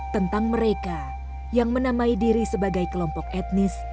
tentang mereka yang menamai diri sebagai kelompok etnis